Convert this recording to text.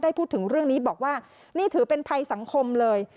พูดถึงเรื่องนี้บอกว่านี่ถือเป็นภัยสังคมเลย